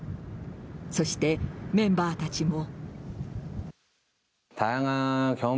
そしてメンバーたちも。